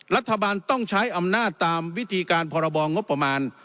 รัฐบาลต้องใช้อำนาจตามวิธีการพรบงบประมาณ